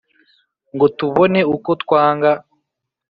ngo tubone uko twanga